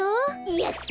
やった！